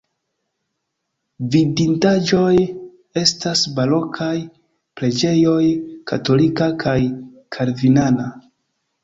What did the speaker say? Vidindaĵoj estas barokaj preĝejoj katolika kaj kalvinana.